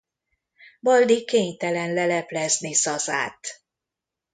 Baldi kénytelen leleplezni Zazát.